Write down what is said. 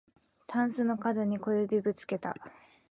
たんすのかどに小指ぶつけた